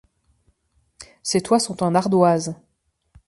Ses toits sont en ardoises.